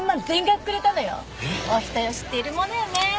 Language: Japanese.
お人よしっているものよね。